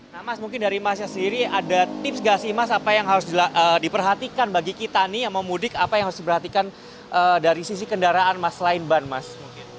nah mas mungkin dari mas nya sendiri ada tips gak sih mas apa yang harus diperhatikan bagi kita nih yang mau mudik apa yang harus diperhatikan dari sisi kendaraan mas selain ban mas